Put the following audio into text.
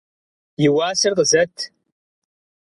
И уасэр къызэт.